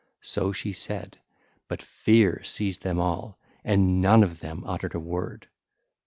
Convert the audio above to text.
(ll. 167 169) So she said; but fear seized them all, and none of them uttered a word.